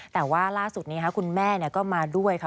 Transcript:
แต่ว่าล่าสุดนี้คุณแม่ก็มาด้วยค่ะ